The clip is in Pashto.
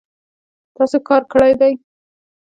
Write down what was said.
تاسو کار کړی دی